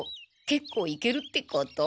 けっこういけるってこと？